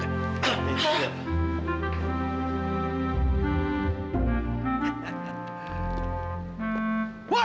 tidak tidak tidak